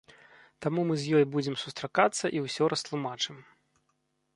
Таму мы з ёй будзем сустракацца і ўсё растлумачым.